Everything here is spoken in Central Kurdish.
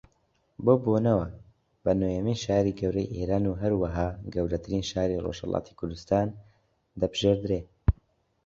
بەو بۆنەوە بە نۆیەمین شاری گەورەی ئێران و ھەروەھا گەورەترین شاری ڕۆژھەڵاتی کوردستان دەبژێردرێ